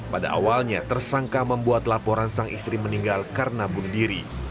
pada awalnya tersangka membuat laporan sang istri meninggal karena bunuh diri